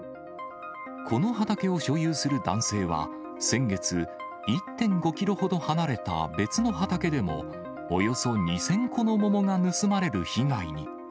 この畑を所有する男性は、先月、１．５キロほど離れた別の畑でも、およそ２０００個の桃が盗まれる被害に。